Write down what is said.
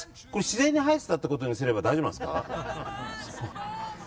自然に生えてたってことにすれば大丈夫ですか。